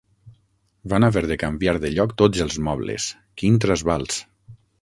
Van haver de canviar de lloc tots els mobles: quin trasbals!